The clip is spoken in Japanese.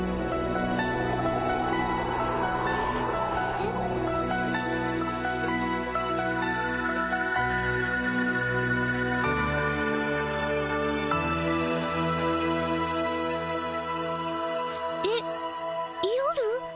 えっ？えっ夜？